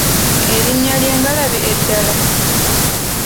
Erinnya ly'engalabi eddala?